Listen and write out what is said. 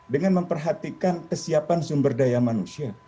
dengan memperhatikan kesiapan sumber daya manusia